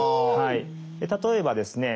例えばですね